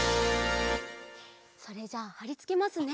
それじゃあはりつけますね。